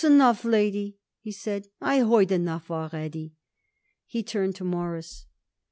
"S'enough, lady," he said; "I heard enough already." He turned to Morris.